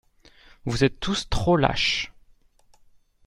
Vous êtes tous trop lâches.